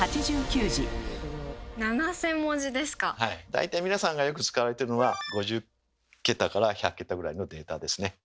大体皆さんがよく使われてるのは５０桁から１００桁ぐらいのデータですね。